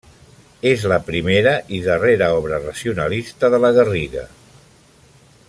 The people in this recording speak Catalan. És la primera i darrera obra racionalista de la Garriga.